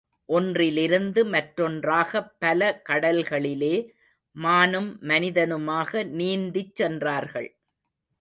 ஒன்றிலிருந்து மற்றொன்றாகப் பல கடல்களிலே, மானும் மனிதனுமாக நீந்திச் சென்றார்கள்.